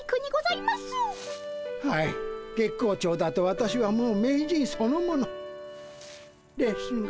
はい月光町だと私はもう名人そのもの。ですが。